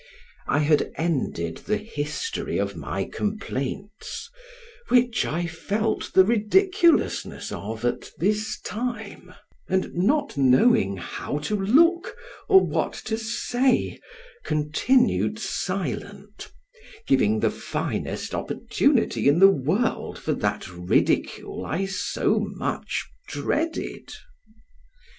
I had ended the history of my complaints, which I felt the ridiculousness of at this time; and not knowing how to look, or what to say, continued silent, giving the finest opportunity in the world for that ridicule I so much dreaded.